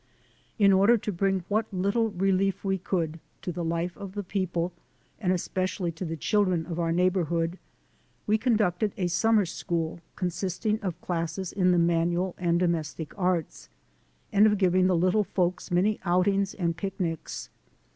In order to bring what little relief we could to the life of the people, and especially to the children of 260 THE SOUL OF AN IMMIGRANT our neighborhood, we conducted a summer school consisting of classes in the manual and domestic arts, and of giving the little folks many outings and picnics.